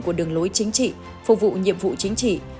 của đường lối chính trị phục vụ nhiệm vụ chính trị